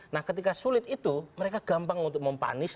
nah ketika sulit itu mereka gampang untuk mempanis